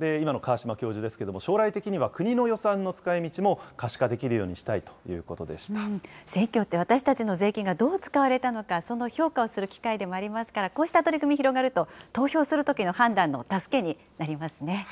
今の川島教授ですけれども、将来的には国の予算の使いみちも可視化できるようにしたいとのこ選挙って、私たちの税金がどう使われたのか、その評価をする機会でもありますから、こうした取り組み広がると、投票するときの判断の助けになりますね。